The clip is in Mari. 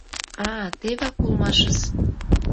А, тевак улмашыс!